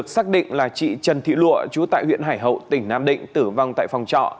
xác định là chị trần thị lụa chú tại huyện hải hậu tỉnh nam định tử vong tại phòng trọ